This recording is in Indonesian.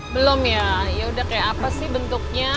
belum ya yaudah kayak apa sih bentuknya